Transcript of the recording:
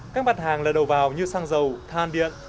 các mặt hàng là đầu vào như xăng dầu than điện